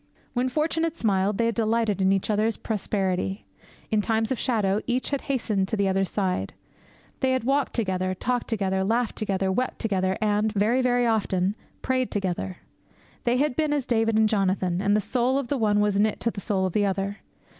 When fortune had smiled, they had delighted in each other's prosperity. In times of shadow, each had hastened to the other's side. They had walked together, talked together, laughed together, wept together, and very, very often prayed together. They had been as David and Jonathan, and the soul of the one was knit to the soul of the other.